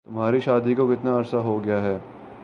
تمہاری شادی کو کتنا عرصہ ہو گیا ہے؟